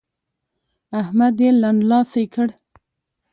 احمد يې لنډلاسی کړ.